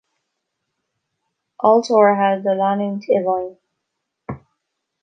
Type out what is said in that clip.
Ailt áirithe do leanúint i bhfeidhm.